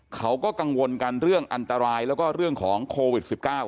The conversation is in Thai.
เขาก็กังวลกันเรื่องอันตรายแล้วก็เรื่องของโควิด๑๙